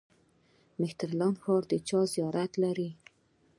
مهترلام ښار د چا زیارت لري؟